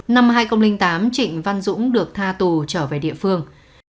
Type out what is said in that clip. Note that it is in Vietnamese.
năm hai nghìn tám trịnh văn dũng được tha tù trở về địa phương